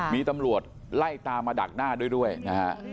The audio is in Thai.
มีตำรวจไล่ตามมาดักหน้าด้วยนะฮะ